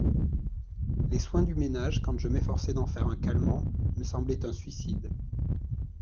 Les soins du ménage, quand je m'efforçais d'en faire un calmant, me semblaient un suicide.